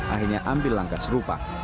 akhirnya ambil langkah serupa